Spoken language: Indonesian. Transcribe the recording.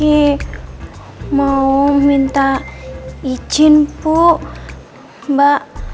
jangan lupa like share dan subscribe ya